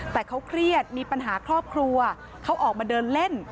แต่เขาเครียดมีปัญหาครอบครัวเขาออกมาเดินเล่น